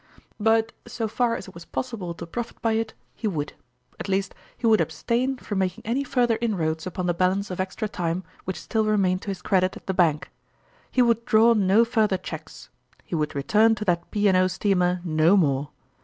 But, so far as it was possible to profit by it, he would : at least, he would abstain from making any further inroads upon the balance of extra time which still remained to his credit at the bank ; he would draw no further cheques ; he would return to that P. and O. steamer no more.